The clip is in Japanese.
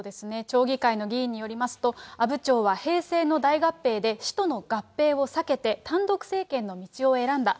町議会の議員によりますと、阿武町は平成の大合併で市との合併を避けて、単独政権の道を選んだ。